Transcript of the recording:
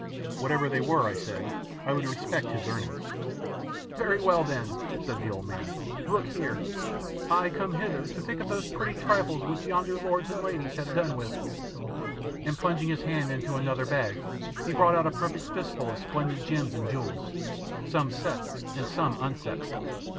Whatever they were, I said, I would respect his earnings. "Very well, then," said the old man, "look here! I come hither to pick up those pretty trifles which yonder lords and ladies have done with," and plunging his hand into another bag he brought out a perfect fistful of splendid gems and jewels, some set and some unset.